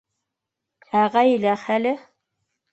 Ә ғаилә хәле?